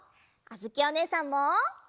あづきおねえさんも！